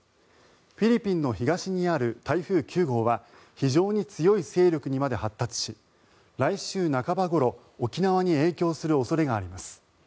フィリピンの東にある台風９号は非常に強い勢力にまで発達し来週半ばごろ、沖縄に影響する恐れがあります。